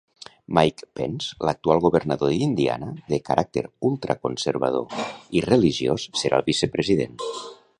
Mike Pence, l'actual governador d'Indiana, de caràcter ultraconservador i religiós, serà el vicepresident.